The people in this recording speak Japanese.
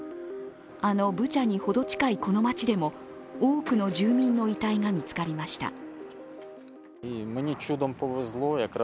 あのブチャに程近いこの街でも多くの住民の遺体が見つかりました。